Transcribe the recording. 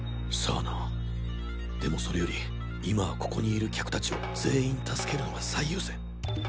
さぁなでもそれより今はここにいる客達を全員助けるのが最優先！